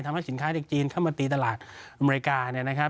ทำให้สินค้าจากจีนเข้ามาตรีตลาดอเมริกา